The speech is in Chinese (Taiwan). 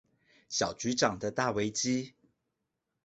小局長的大危機